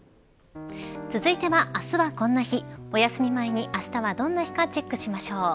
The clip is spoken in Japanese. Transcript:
続いては、あすはこんな日おやすみ前にあしたはどんな日かチェックしましょう。